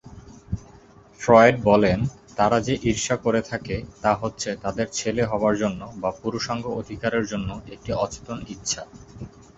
Freud বলেন, তারা যে ঈর্ষা করে থাকে তা হচ্ছে তাদের ছেলে হবার জন্য বা পুরুষাঙ্গ অধিকারের জন্য একটি অচেতন ইচ্ছা।